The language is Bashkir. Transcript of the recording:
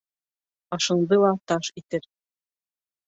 Ашыңды ла таш итер.